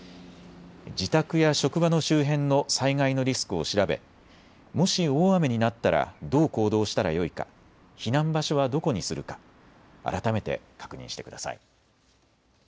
自宅や職場の周辺の災害のリスクを調べ、もし大雨になったらどう行動したらよいか、避難場所はどこにするか、改めて確認してください。